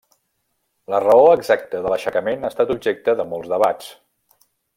La raó exacta de l'aixecament ha estat objecte de molts debats.